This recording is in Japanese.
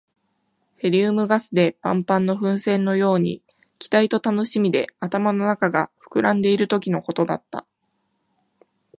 ヘリウムガスでパンパンの風船のように、期待と楽しみで頭の中が膨らんでいるときのことだった。